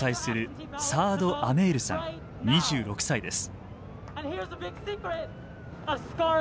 ２６歳です。